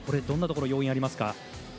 どんなところ要因がありますか？